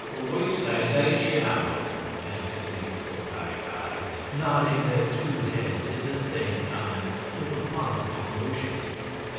"We say they shall!" answered the youthful Ki Ki, nodding their two heads at the same time, with a positive motion.